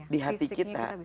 di hati kita